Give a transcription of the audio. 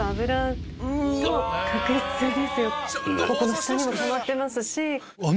下にもたまってますし。